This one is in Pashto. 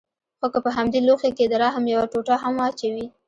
خو که په همدې لوښي کښې د رحم يوه ټوټه هم واچوې.